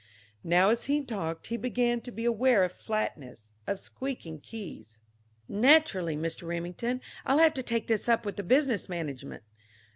Now as he talked he began to be aware of flatness, of squeaking keys.... "Naturally, Mr. Remington, I'll have to take this up with the business management..."